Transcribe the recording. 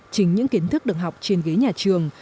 chính những kiến thức được học trên ghế nhà trường